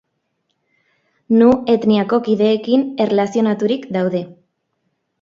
Nu etniako kideekin erlazionaturik daude.